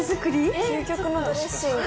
究極のドレッシング。